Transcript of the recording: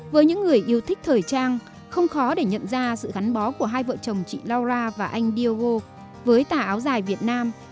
với những người yêu thích thời trang không khó để nhận ra sự gắn bó của hai vợ chồng chị laura và anh diego với tà áo dài việt nam